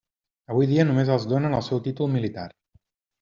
Avui dia només els donen el seu títol militar.